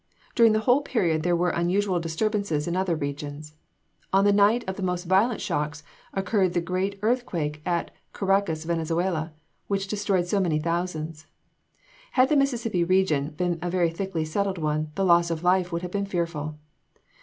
During the whole period there were unusual disturbances in other regions. On the night of the most violent shocks occurred the great earthquake at Caracas, Venezuela, which destroyed so many thousands. Had the Mississippi region been a very thickly settled one, the loss of life would have been fearful.